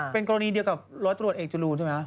เป็นกรณีเดียวกับร้อยตรวจเอกจรูนใช่ไหม